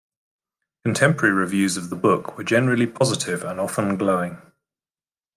Contemporary reviews of the book were generally positive and often glowing.